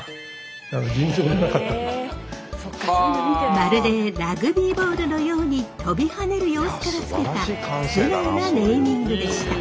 まるでラグビーボールのように跳びはねる様子から付けた素直なネーミングでした。